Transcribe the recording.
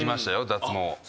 脱毛。